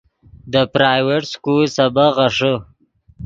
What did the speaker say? دے پرائیویٹ سکول سبق غیݰے